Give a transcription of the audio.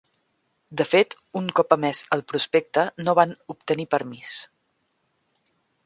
De fet, un cop emès el prospecte, no van obtenir permís.